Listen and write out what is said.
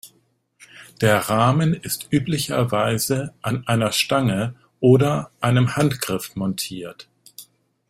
Der Rahmen ist üblicherweise an einer Stange oder einem Handgriff montiert.